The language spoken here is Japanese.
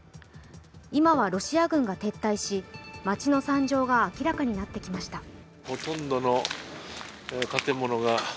今はロシア軍が撤退し、街の惨状が明らかになってきました。